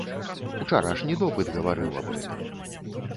Учарашні допыт гаварыў аб гэтым.